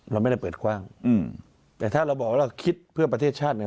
เราไม่ได้เปิดกว้างอืมแต่ถ้าเราบอกว่าเราคิดเพื่อประเทศชาติเนี่ย